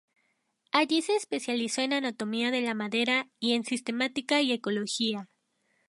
Allí se especializó en anatomía de la madera y en sistemática y ecología.